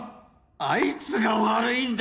あいつが悪いんだ！